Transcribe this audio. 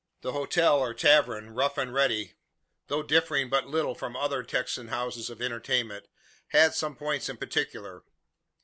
The hotel, or tavern, "Rough and Ready," though differing but little from other Texan houses of entertainment, had some points in particular.